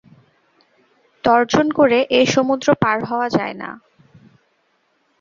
তর্জন করে এ সমুদ্র পার হওয়া যায় না।